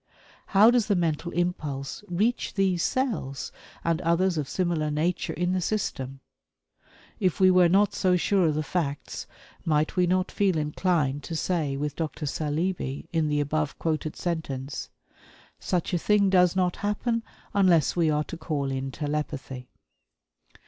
How does the mental impulse reach these cells and others of similar nature in the system? If we were not so sure of the facts, might we not feel inclined to say with Dr. Saleeby, in the above quoted sentence: "Such a thing does not happen unless we are to call in telepathy."